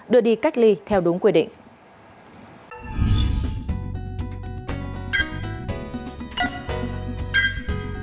đưa đi cách ly theo đúng quy định